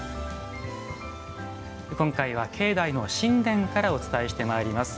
今回は境内の宸殿からお伝えしてまいります。